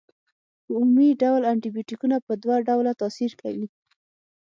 په عمومي ډول انټي بیوټیکونه په دوه ډوله تاثیر کوي.